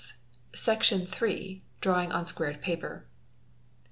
A Section iiii— Drawing on Squared Paper.